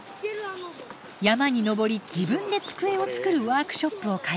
山に登り自分で机を作るワークショップを開催。